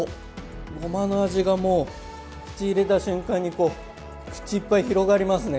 ごまの味がもう口入れた瞬間に口いっぱい広がりますね。